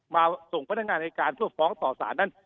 มาส่งพนักงานในการทั่วฟ้องต่อสารนั้น